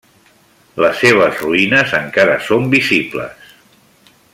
Les seves ruïnes encara són visibles.